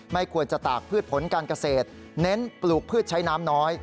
ไม่ควรจะตากพืชผลการเกษตรเน้นปลูกพืชใช้น้ำน้อย